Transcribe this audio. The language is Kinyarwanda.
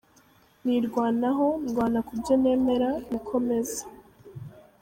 Nirwanaho, ndwana ku byo nemera, niko bimeze.